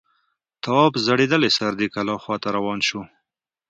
تواب ځړېدلی سر د کلا خواته روان شو.